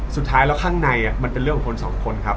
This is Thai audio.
สุดท้ายแล้วข้างในมันเป็นเรื่องของคนสองคนครับ